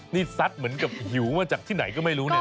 นี่ซัดเหมือนกับหิวมาจากที่ไหนก็ไม่รู้เนี่ย